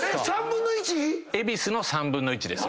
３分の１⁉恵比寿の３分の１ですよね。